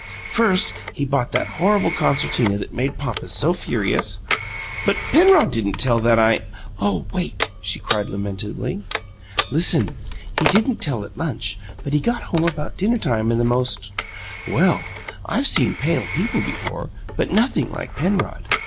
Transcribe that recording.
"First, he bought that horrible concertina that made papa so furious " "But Penrod didn't tell that I " "Oh, wait!" she cried lamentably. "Listen! He didn't tell at lunch, but he got home about dinner time in the most well! I've seen pale people before, but nothing like Penrod.